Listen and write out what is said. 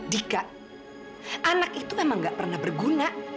dika anak itu emang nggak pernah berguna